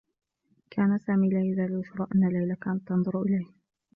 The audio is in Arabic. كان سامي لا يزال يشعر أنّ ليلى كانت تنظر إليه.